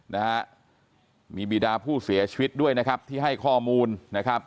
นะฮะมีบีดาผู้เสียชีวิตด้วยนะครับที่ให้ข้อมูลนะครับ